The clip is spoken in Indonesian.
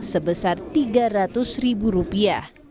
sebesar tiga ratus ribu rupiah